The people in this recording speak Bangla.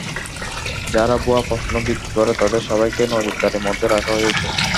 যারা ভুয়া প্রশ্ন বিক্রি করে তাদের সবাইকে নজরদারির মধ্যে রাখা হয়েছে।